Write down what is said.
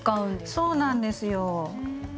そうなんですよ。